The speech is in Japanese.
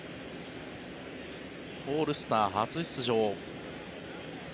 オールスター初出場。